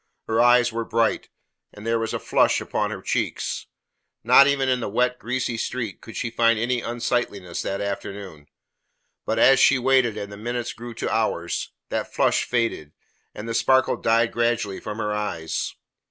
Her eyes were bright, and there was a flush upon her cheeks. Not even in the wet, greasy street could she find any unsightliness that afternoon. But as she waited, and the minutes grew to hours, that flush faded, and the sparkle died gradually from her eyes.